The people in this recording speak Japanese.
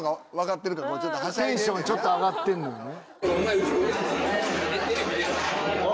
テンションちょっと上がってんのよね。